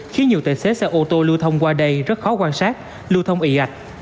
khiến nhiều tài xế xe ô tô lưu thông qua đây rất khó quan sát lưu thông ị ạch